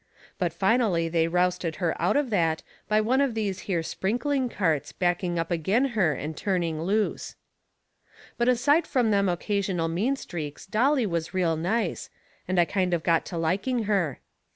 But finally they rousted her out of that by one of these here sprinkling carts backing up agin her and turning loose. But aside from them occasional mean streaks Dolly was real nice, and I kind of got to liking her.